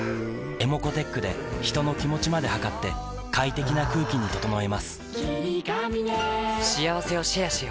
ｅｍｏｃｏーｔｅｃｈで人の気持ちまで測って快適な空気に整えます